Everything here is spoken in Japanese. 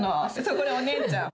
これ、お姉ちゃん。